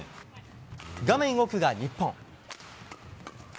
画面奥が日本。